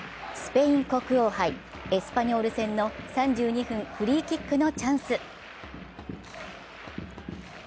スペイン国王杯、エスパニョール戦の３２分、フリーキックのチャンス。